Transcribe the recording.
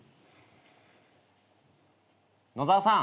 野澤さん